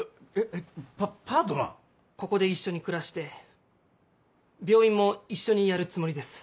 ここで一緒に暮らして病院も一緒にやるつもりです。